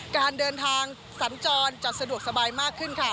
การเดินทางสัญจรจะสะดวกสบายมากขึ้นค่ะ